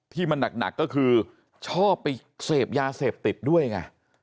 ที่มันหนักก็คือชอบไปเสพยาเสพติดด้วยไง